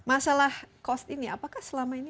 masalah cost ini apakah selama ini